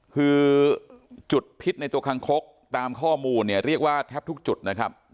คือจุดพิษในตัวคังคกตามข้อมูลเนี่ยเรียกว่าแทบทุกจุดนะครับ